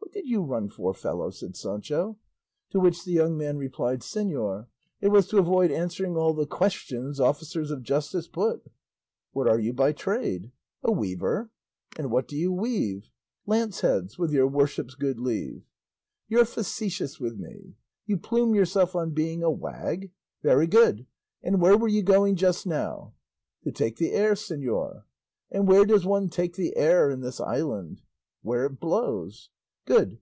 "What did you run for, fellow?" said Sancho. To which the young man replied, "Señor, it was to avoid answering all the questions officers of justice put." "What are you by trade?" "A weaver." "And what do you weave?" "Lance heads, with your worship's good leave." "You're facetious with me! You plume yourself on being a wag? Very good; and where were you going just now?" "To take the air, señor." "And where does one take the air in this island?" "Where it blows." "Good!